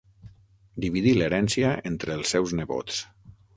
Dividí l'herència entre els seus nebots.